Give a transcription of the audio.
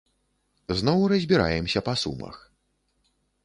Зноў разбіраемся па сумах.